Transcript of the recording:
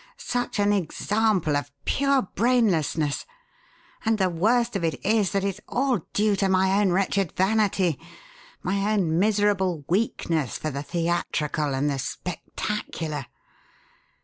Such an example of pure brainlessness! And the worst of it is that it's all due to my own wretched vanity my own miserable weakness for the theatrical and the spectacular!